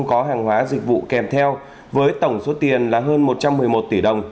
có hàng hóa dịch vụ kèm theo với tổng số tiền là hơn một trăm một mươi một tỷ đồng